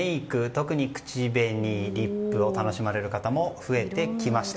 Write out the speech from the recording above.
特に口紅リップを楽しまれる方も増えてきました。